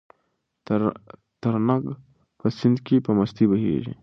ترنګ په سیند کې په مستۍ بهېږي.